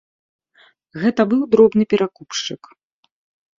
Гэта быў дробны перакупшчык.